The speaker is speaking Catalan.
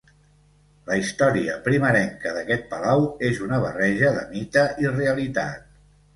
La història primerenca d'aquest palau és una barreja de mite i realitat.